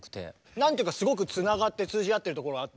何ていうかすごくつながって通じ合ってるところあって。